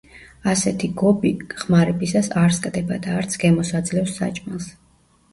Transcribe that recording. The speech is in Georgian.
ასეთი გობი ხმარებისას არ სკდება და არც გემოს აძლევს საჭმელს.